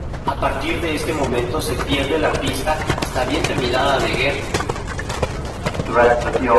A partir de este momento se pierde la pista hasta bien terminada de Guerra.